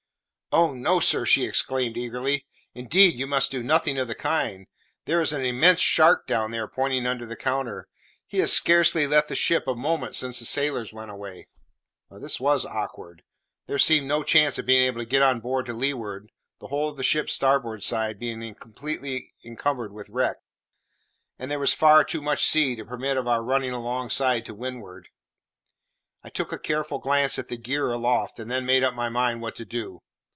"Oh no, sir!" she exclaimed eagerly; "indeed you must do nothing of the kind. There is an immense shark down there," pointing under the counter; "he has scarcely left the ship a moment since the sailors went away." This was awkward. There seemed no chance of being able to get on board to leeward, the whole of the ship's starboard side being completely encumbered with wreck; and there was far too much sea to permit of our running alongside to windward. I took a careful glance at the gear aloft, and then made up my mind what to do.